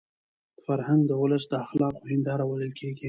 فرهنګ د ولس د اخلاقو هنداره بلل کېږي.